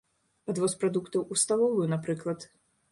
Падвоз прадуктаў у сталовую, напрыклад.